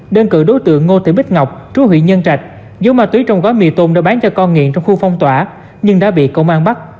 đơn cử đối tượng ngô thị bích ngọc chú huyện nhân trạch dù ma túy trong gói mì tôm đã bán cho con nghiện trong khu phong tỏa nhưng đã bị công an bắt